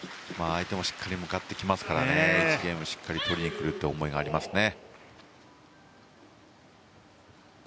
相手もしっかり向かってきますから１ゲーム、しっかり取りに来るという思いがありますね。